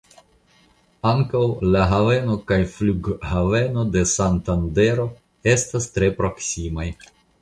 Ankaŭ la haveno kaj flughaveno de Santandero estas tre proksimaj.